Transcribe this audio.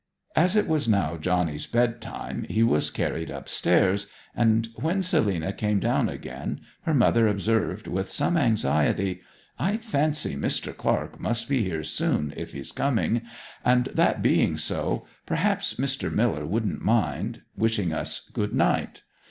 As it was now Johnny's bedtime he was carried upstairs, and when Selina came down again her mother observed with some anxiety, 'I fancy Mr. Clark must be here soon if he's coming; and that being so, perhaps Mr. Miller wouldn't mind wishing us good night!